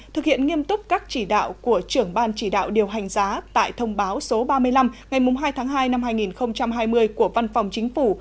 thực hiện nghiêm túc các chỉ đạo của trưởng ban chỉ đạo điều hành giá tại thông báo số ba mươi năm ngày hai tháng hai năm hai nghìn hai mươi của văn phòng chính phủ